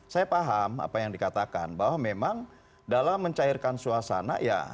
saya paham apa yang dikatakan bahwa memang dalam mencairkan suasana ya